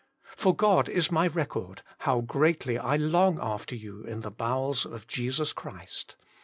For God is my record, how greatly I long after you all in the bowels of Jesus Christ.